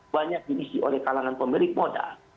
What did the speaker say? banyak diisi oleh kalangan pemilik modal